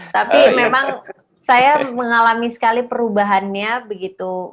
tapi memang saya mengalami sekali perubahannya begitu